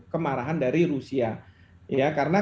kemarahan dari rusia ya karena